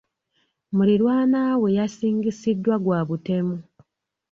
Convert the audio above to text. Muliraanwa we yasingisiddwa gwa butemu.